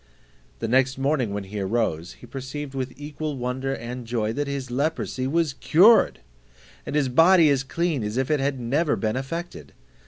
The next morning when he arose, he perceived with equal wonder and joy, that his leprosy was cured, and his body as clean as if it had never been affected.